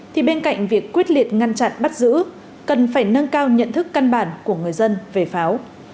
thì bên cạnh việc quyết liệt ngăn chặn bắt giữ cần phải nâng cao nhận thức căn bản của người dân về pháo